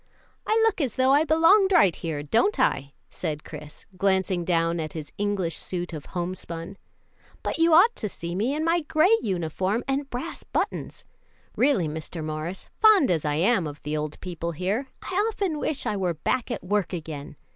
"I look as though I belonged right here, don't I?" said Chris, glancing down at his English suit of homespun. "But you ought to see me in my gray uniform and brass buttons. Really, Mr. Morris, fond as I am of the old people here, I often wish I were back at work again.